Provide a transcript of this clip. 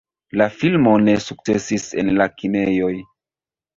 La filmo ne sukcesis en la kinejoj.